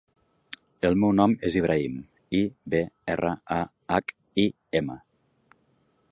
El meu nom és Ibrahim: i, be, erra, a, hac, i, ema.